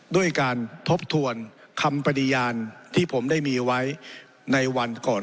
ด้วยการทบทวนคำปฏิญาณที่ผมได้มีไว้ในวันก่อน